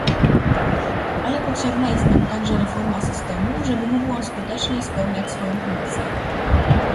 Ale potrzebna jest nam także reforma systemu, żeby mógł on skutecznie spełniać swoją funkcję